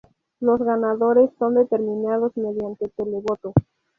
Los ganadores son determinados mediante televoto.